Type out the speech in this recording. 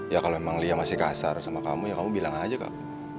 ya kalau memang lia masih kasar sama kamu ya kamu bilang aja kak